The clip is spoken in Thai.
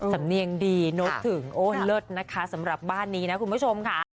สำเนียงดีโน้ตถึงโอ้เลิศนะคะสำหรับบ้านนี้นะคุณผู้ชมค่ะ